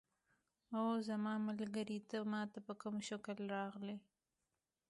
اوه زما ملګری، ته ما ته په کوم شکل راغلې؟